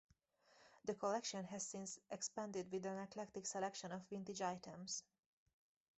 The collection has since expanded with an eclectic selection of vintage items.